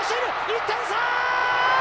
１点差！